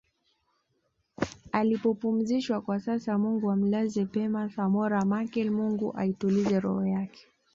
alipopumzishwakwa sasa Mungu amlaze pema Samora Machel Mungu aitulize roho yake